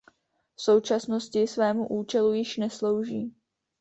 V současnosti svému účelu již neslouží.